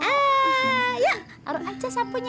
ayo taruh aja sapunya